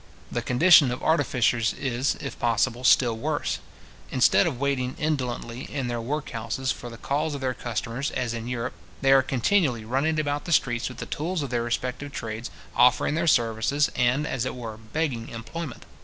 The condition of artificers is, if possible, still worse. Instead of waiting indolently in their work houses for the calls of their customers, as in Europe, they are continually running about the streets with the tools of their respective trades, offering their services, and, as it were, begging employment.